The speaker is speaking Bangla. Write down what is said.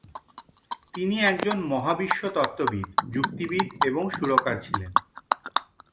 তিনি একজন মহাবিশ্বতত্ত্ববিদ, যুক্তিবিদ এবং সুরকার ছিলেন।